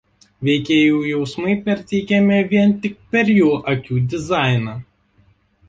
Veikėjų jausmai perteikiami vien tik per jų akių dizainą.